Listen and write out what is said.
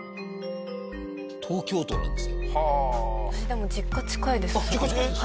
でも実家近いです。